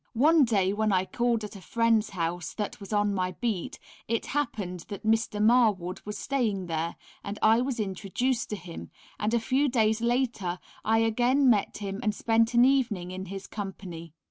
One day, when I called at a friend's house that was on my beat, it happened that Mr. Marwood was staying there, and I was introduced to him, and a few days later I again met him and spent an evening in his company.